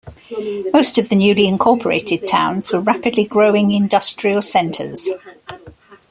Most of the newly incorporated towns were rapidly growing industrial centres.